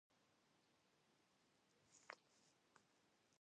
اوښ د افغانستان د انرژۍ د سکتور برخه ده.